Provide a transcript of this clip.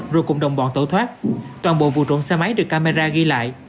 rồi cùng đồng bọn tẩu thoát toàn bộ vụ trộm xe máy được camera ghi lại